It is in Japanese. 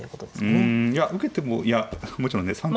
うんいや受けてもいやもちろんね